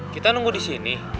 kita nunggu disini